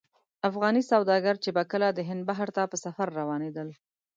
افغاني سوداګر چې به کله د هند بحر ته په سفر روانېدل.